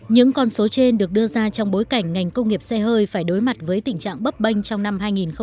những con số trên được đưa ra trong bối cảnh ngành công nghiệp xe hơi phải đối mặt với tình trạng bấp bênh trong năm hai nghìn hai mươi